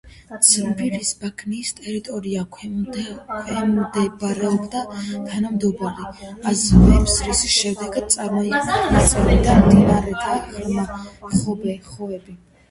ციმბირის ბაქნის ტერიტორია ექვემდებარებოდა თანდათანობით აზევებას, რის შედეგად წარმოიქმნა ნაწევი და მდინარეთა ღრმა ხეობები.